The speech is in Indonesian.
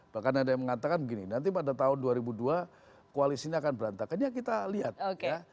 bahkan ada yang mengatakan begini nanti pada tahun dua ribu dua koalisi ini akan berantakan ya kita lihat ya